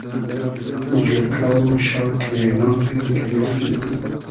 جورکۂ و شۆقی اېناغیم گیریفتی